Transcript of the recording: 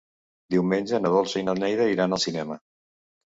Diumenge na Dolça i na Neida iran al cinema.